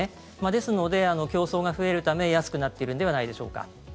ですので、競争が増えるため安くなっているのではないでしょうか。